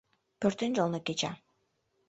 Пӧртӧнчылнӧ кеча.